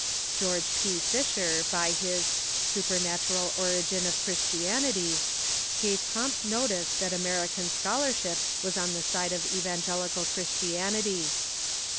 George P. Fisher, by his " Supernatural Apologists Origin of Christianity," gave prompt notice that American scholarship Avas on the side of Evangelical Chris tianity.